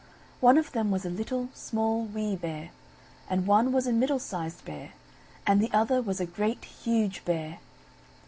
One of them was a Little, Small Wee Bear; and one was a Middle sized Bear, and the other was a Great, Huge Bear.